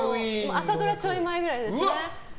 朝ドラちょい前ぐらいです。